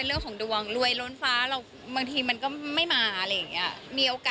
หรือว่าอยากที่จะฝากใครไหม